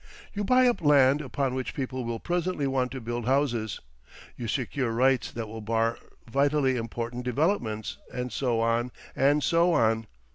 You buy up land upon which people will presently want to build houses, you secure rights that will bar vitally important developments, and so on, and so on.